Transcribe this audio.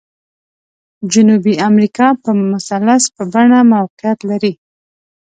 جنوبي امریکا په مثلث په بڼه موقعیت لري.